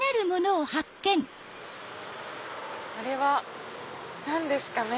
あれは何ですかね？